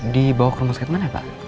dibawa ke rumah sakit mana ya pak